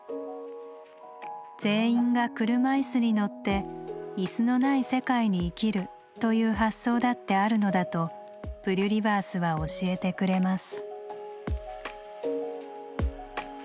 全員が車いすに乗って椅子のない世界に生きるという発想だってあるのだとプリュリバースは教えてくれます。